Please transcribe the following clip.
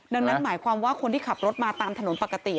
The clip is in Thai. ดังนั้นหมายความว่าคนที่ขับรถมาตามถนนปกติ